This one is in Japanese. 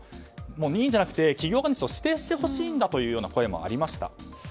任意じゃなくて企業側に指定してほしいという声もありました。